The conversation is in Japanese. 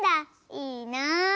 いいな。